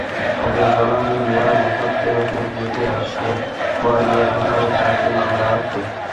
আদেশে বলা হয়, মেয়র মোসাদ্দেক হোসেনের বিরুদ্ধে রাজশাহীর বোয়ালিয়া থানায় চারটি মামলা আছে।